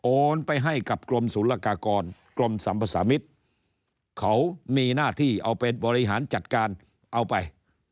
ไปให้กับกรมศูนย์ละกากรกรมสัมภาษามิตรเขามีหน้าที่เอาไปบริหารจัดการเอาไป